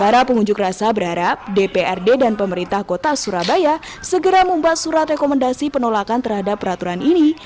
para pengunjuk rasa berharap dprd dan pemerintah kota surabaya segera membuat surat rekomendasi penolakan terhadap peraturan ini